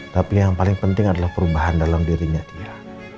tapi yang paling penting adalah perubahan dalam dirinya dia